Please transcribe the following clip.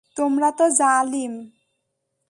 তোমরা তো জালিম।